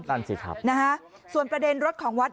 นั่นสิครับนะฮะส่วนประเด็นรถของวัด